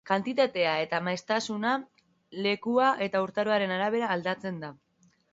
Kantitatea eta maiztasuna, lekua eta urtaroaren arabera aldatzen da.